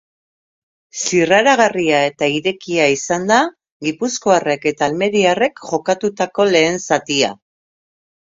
Zirraragarria eta irekia izan da gipuzkoarrek eta almeriarrek jokatutako lehen zatia.